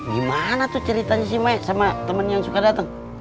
gimana tuh ceritanya si maek sama temen yang suka dateng